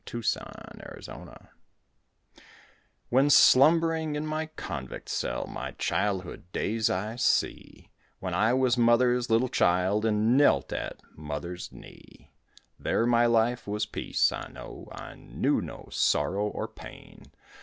THE CONVICT When slumbering In my convict cell my childhood days I see, When I was mother's little child and knelt at mother's knee. There my life was peace, I know, I knew no sorrow or pain.